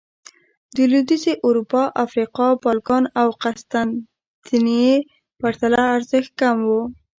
د لوېدیځې اروپا، افریقا، بالکان او قسطنطنیې پرتله ارزښت کم و